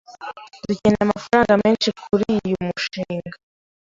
Dukeneye amafaranga menshi kuriyi mushinga.